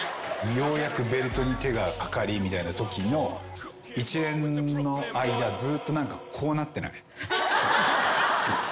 ようやくベルトに手がかかりみたいなときの一連の間ずっと何かこうなってない？